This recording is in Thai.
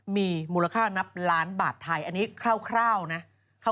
มีมูลค่านับล้านบาทไทยอันนี้คร่าวนะ